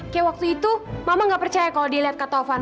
kayak waktu itu mama nggak percaya kalau dilihat kak taufan